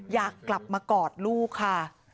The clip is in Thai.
อยากกลับมากอดลูกค่ะ